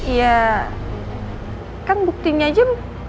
iya kan buktinya aja